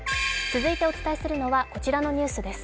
続いてお伝えするのはこちらのニュースです。